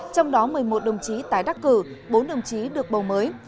trong đó một mươi một đồng chí tái đắc cử bốn đồng chí được bầu mới